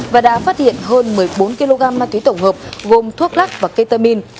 và đã phát hiện hơn một mươi bốn kg ma túy tổng hợp gồm thuốc lắc và ketamin